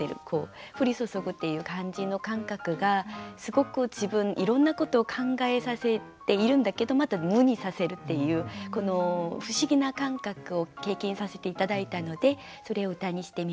こう降り注ぐっていう感じの感覚がすごく自分いろんなことを考えさせているんだけどまた無にさせるっていうこの不思議な感覚を経験させて頂いたのでそれを歌にしてみました。